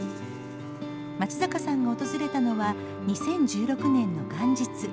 松坂さんが訪れたのは２０１６年の元日。